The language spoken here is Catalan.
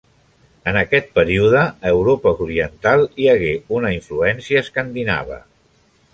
En aquest període a Europa oriental hi hagué una influència escandinava.